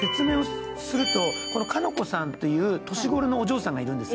この鹿の子さんという年頃のお嬢さんがいるんです。